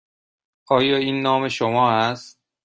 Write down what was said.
آیا این نام شما است؟